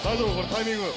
タイミング